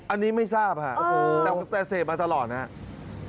อันนี้ไม่ทราบครับแต่เสพมาตลอดนะครับ